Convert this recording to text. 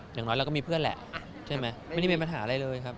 อย่างน้อยเราก็มีเพื่อนแหละใช่ไหมไม่ได้เป็นปัญหาอะไรเลยครับ